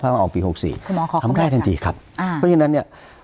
ถ้าว่าออกปี๖๔ทำได้ทันทีครับเพราะฉะนั้นเนี่ย